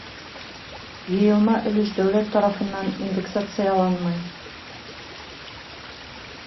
Йыйылма өлөш дәүләт тарафынан индексацияланмай.